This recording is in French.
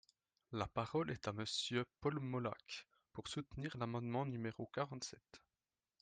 La parole est à Monsieur Paul Molac, pour soutenir l’amendement numéro quarante-sept.